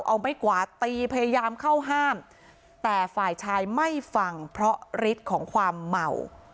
เอาไม้กวาดตีพยายามเข้าห้ามแต่ฝ่ายชายไม่ฟังเพราะฤทธิ์ของความเมา